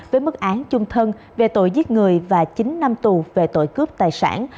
với mức án trung thân về tội giết người và chín năm tù về tội cướp tài sản